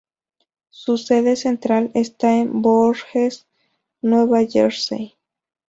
Su sede central está en Voorhees, Nueva Jersey.